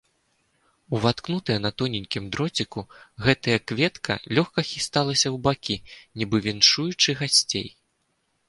Уваткнутая на тоненькім дроціку, гэтая кветка лёгка хісталася ў бакі, нібы віншуючы гасцей.